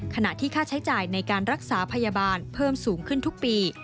ขณะที่ค่าใช้จ่ายในการรักษาพยาบาลเพิ่มสูงขึ้นทุกปี